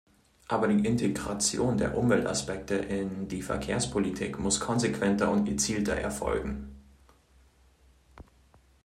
Aber die Integration der Umweltaspekte in die Verkehrspolitik muss konsequenter und gezielter erfolgen.